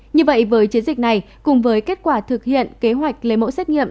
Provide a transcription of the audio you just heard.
như vậy với chiến dịch này cùng với kết quả thực hiện kế hoạch lấy mẫu xét nghiệm